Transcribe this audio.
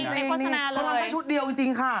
เขาทำนั่นแค่ชุดเดียวจริงค่ะ